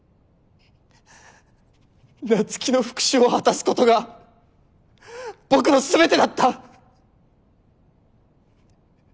菜月の復讐を果たすことが僕のすべてだった！